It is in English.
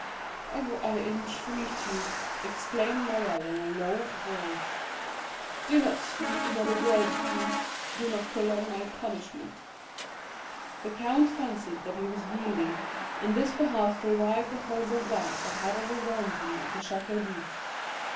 "Oh, I entreat you," exclaimed Morrel in a low voice, "do not speak another word, count; do not prolong my punishment." The count fancied that he was yielding, and this belief revived the horrible doubt that had overwhelmed him at the Château d'If.